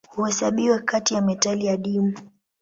Huhesabiwa kati ya metali adimu.